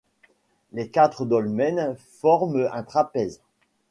Les quatre dolmens forment un trapèze.